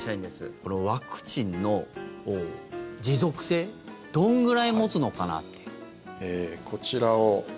このワクチンの持続性どんぐらい持つのかなっていう。